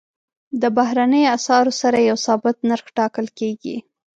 د بهرنیو اسعارو سره یو ثابت نرخ ټاکل کېږي.